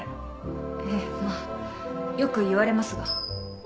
ええまあよく言われますが。